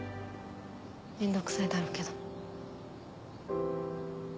面倒くさいだろうけど。